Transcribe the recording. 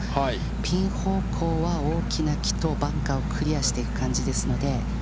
ピン方向は、大きな木とバンカーをクリアしていく感じですので。